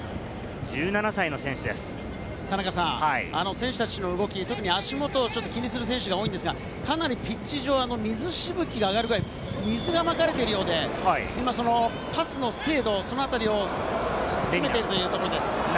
選手たちの動き、とくに足元をちょっと気にする選手が多いんですが、かなりピッチ上、水しぶきが上がるくらい水がまかれているようで、今、パスの精度、そのあたりを詰めているということです。